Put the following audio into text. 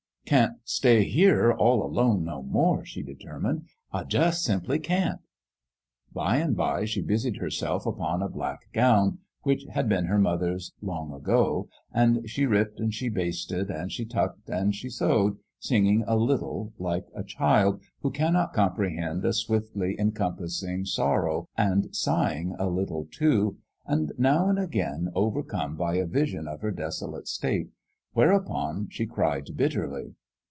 " Can't stay here all alone no more," she de termined. " I just simply carit" By and by she busied herself upon a black gown, which had been her mother's, long ago ; and she ripped, and she basted, and she tucked, and she sewed, singing a little, like a child who cannot comprehend a swiftly encompassing sor An ENGAGEMENT WHH GOD 27 row, and sighing a little, too, and now and again overcome by a vision of her desolate state, whereupon she cried bitterly.